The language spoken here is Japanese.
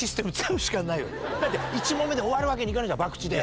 だって１問目で終わるわけにいかないじゃんばくちで。